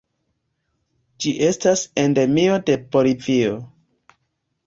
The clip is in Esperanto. Ĝi estas endemio de Bolivio.